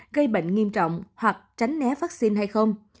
gây bệnh nghiêm trọng hoặc tránh né vaccine hay không